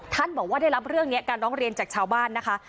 บอกว่าได้รับเรื่องนี้การร้องเรียนจากชาวบ้านนะคะ